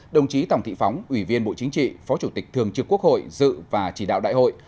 đồng chí tòng thị phóng ủy viên bộ chính trị phó chủ tịch thường trực quốc hội dự và chỉ đạo đại hội